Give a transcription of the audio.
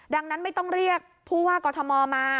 ดังนั้นไม่ต้องเรียกผู้ว่ากอทมมา